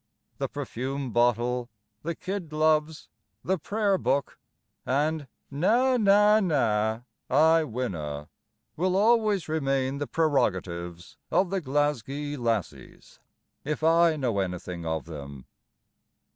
The perfume bottle, The kid gloves, The Prayer Book And "Na, na, na, I winna," Will always remain the prerogatives Of the Glasgae lassies, If I know anything of them.